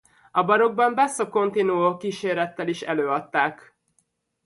A barokkban Basso continuo-kísérettel is előadták.